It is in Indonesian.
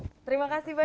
terima kasih banyak bapak